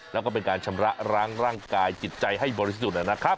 แล้วก็เป็นการชำระร้างร่างกายจิตใจให้บริสุทธิ์นะครับ